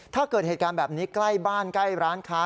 ถ้าเกิดเหตุการณ์แบบนี้ใกล้บ้านใกล้ร้านค้า